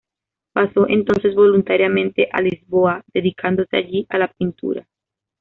Pasó entonces voluntariamente a Lisboa, dedicándose allí a la pintura.